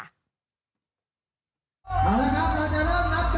มาแล้วครับเราจะเริ่มรับจาก